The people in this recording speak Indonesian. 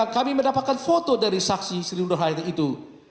kami mendapatkan foto dari saksi sri nur hayati itu